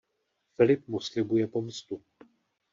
Filip mu slibuje pomstu.